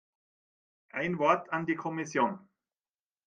Ein Wort an die Kommission.